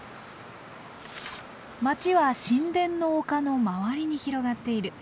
街は神殿の丘の周りに広がっている。